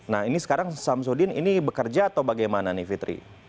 nah ini sekarang samsudin ini bekerja atau bagaimana nih fitri